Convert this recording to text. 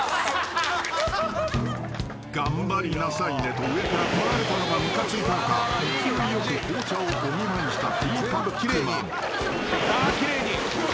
［「頑張りなさいね」と上からこられたのがムカついたのか勢いよく紅茶をお見舞いしたティーパックマン］